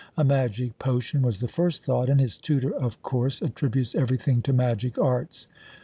A magic potion was the first thought, and his tutor of course attributes everything to magic arts.